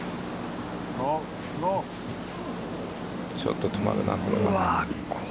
ちょっと止まらない。